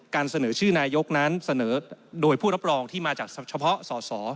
เสนอชื่อนายกนั้นเสนอโดยผู้รับรองที่มาจากเฉพาะสอสอ